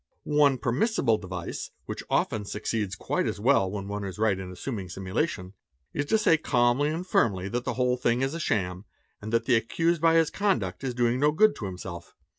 J _ One permissible device, which often succeeds quite as well when one is right in assuming simulation, is to say calmly and firmly that — the whole thing is a sham and that the accused by his conduct is doing no good to himself.